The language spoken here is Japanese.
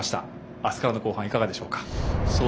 明日からの後半いかがでしょうか。